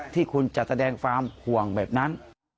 ที่คุณจัดแสดงฟาร์มห่วงแบบนั้น